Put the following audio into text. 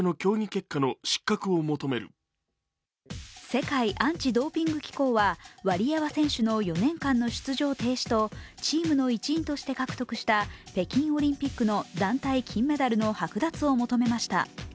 世界アンチドーピング機構はワリエワ選手の４年間の出場停止とチームの一員として獲得した北京オリンピックの団体金メダルの剥奪を求めました。